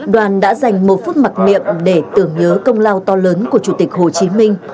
đoàn đã dành một phút mặc niệm để tưởng nhớ công lao to lớn của chủ tịch hồ chí minh